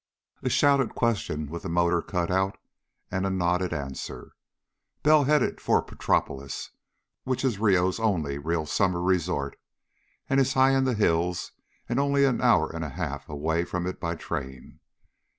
A shouted question with the motor cut out, and a nodded answer. Bell headed for Petropolis, which is Rio's only real summer resort and is high in the hills and only an hour and a half from it by train.